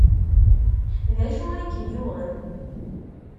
D acu ay kem-yuɣen?